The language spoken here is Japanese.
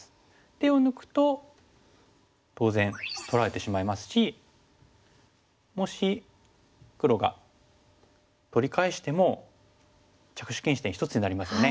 手を抜くと当然取られてしまいますしもし黒が取り返しても着手禁止点１つになりますよね。